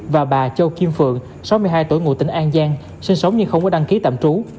và bà châu kim phượng sáu mươi hai tuổi ngụ tỉnh an giang sinh sống nhưng không có đăng ký tạm trú